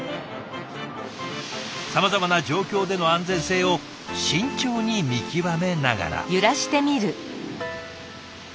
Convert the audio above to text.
さまざまな状況での安全性を慎重に見極めながら。